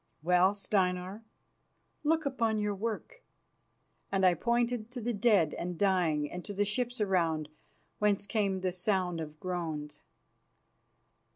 "Well, Steinar, look upon your work." And I pointed to the dead and dying and to the ships around, whence came the sound of groans.